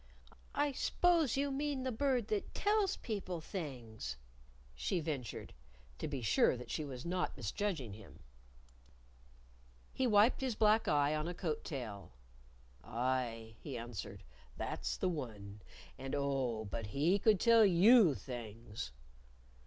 "I s'pose you mean the Bird that tells people things," she ventured to be sure that she was not misjudging him. He wiped his black eye on a coat tail. "Aye," he answered. "That's the one. And, oh, but he could tell you things!"